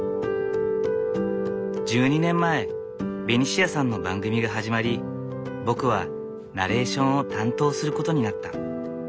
１２年前ベニシアさんの番組が始まり僕はナレーションを担当することになった。